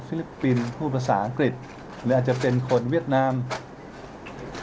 ลิปปินส์พูดภาษาอังกฤษหรืออาจจะเป็นคนเวียดนาม